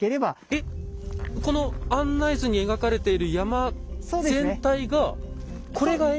えこの案内図に描かれている山全体がこれが延暦寺なんですか？